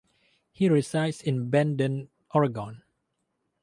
He resides in Bandon, Oregon.